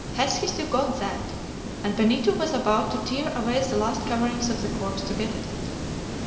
Has he still got that?" and Benito was about to tear away the last coverings of the corpse to get at it.